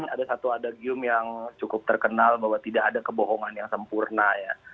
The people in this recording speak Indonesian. ada satu adagium yang cukup terkenal bahwa tidak ada kebohongan yang sempurna ya